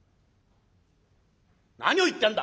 何を言ってやんだ。